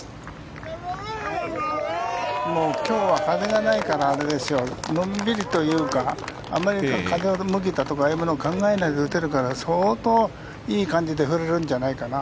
今日は風がないからのんびりというかあまり風向きだとかそういうのを考えないで打てるから相当、いい感じで振れるんじゃないかな。